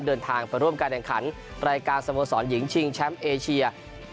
เดินทางไปร่วมการแข่งขันรายการสโมสรหญิงชิงแชมป์เอเชีย